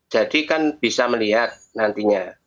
jadi kan bisa melihat nantinya